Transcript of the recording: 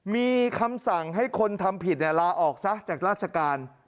มีคำสั่งให้คนทำผิดลาออกซะจากราชการ